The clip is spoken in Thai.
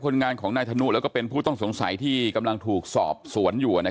คนงานของนายธนูและผู้สงสัยที่กำลังถูกสมบุลแถวนี้